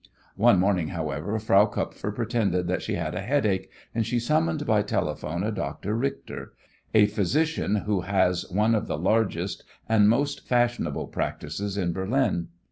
One morning, however, Frau Kupfer pretended that she had a headache, and she summoned by telephone a Dr. Richter, a physician who has one of the largest and most fashionable practices in Berlin.